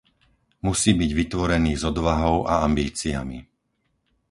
Musí byť vytvorený s odvahou a ambíciami.